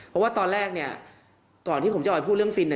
เพราะตอนเราก่อนคุณจะบอกว่าพูดเรื่องฟิล